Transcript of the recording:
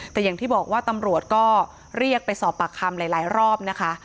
แต่อย่างที่บอกว่าตำรวจก็เรียกไปสอบปากคำหลายรอบนะคะ